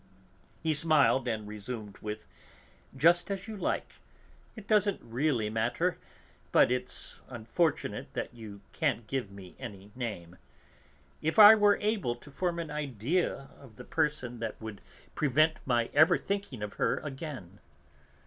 He smiled, and resumed with: "Just as you like. It doesn't really matter, but it's unfortunate that you can't give me any name. If I were able to form an idea of the person that would prevent my ever thinking of her again.